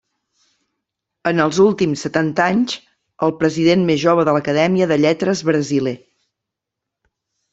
En els últims setanta anys, el president més jove de l'acadèmia de lletres brasiler.